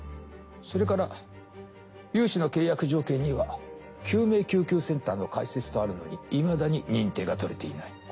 それから融資の契約条件には救命救急センターの開設とあるのにいまだに認定がとれていない。